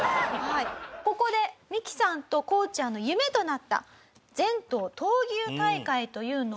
ここでミキさんとこうちゃんの夢となった全島闘牛大会というのを。